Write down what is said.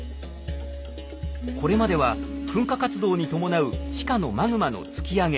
これまでは噴火活動に伴う地下のマグマの突き上げ